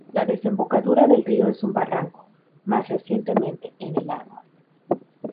La desembocadura del río es un barranco, más recientemente, en el lago.